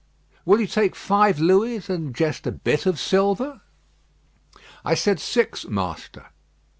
"Will you take five Louis, and just a bit of silver?" "I said six, master."